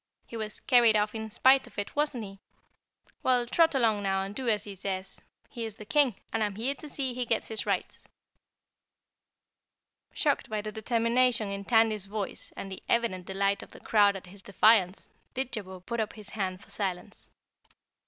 He was carried off in spite of it, wasn't he? Well, trot along now and do as he says; he's the King, and I'm here to see he gets his rights!" Shocked by the determination in Tandy's voice and the evident delight of the crowd at his defiance, Didjabo put up his hand for silence.